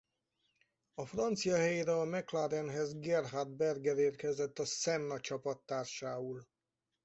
A francia helyére a McLarenhez Gerhard Berger érkezett Senna csapattársául.